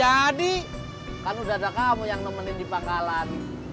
ada sedap mungkin sekarang